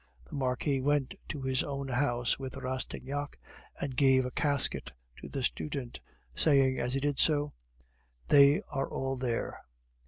The Marquis went to his own house with Rastignac, and gave a casket to the student, saying as he did so, "They are all there."